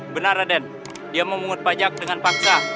benar raden dia memungut pajak dengan paksa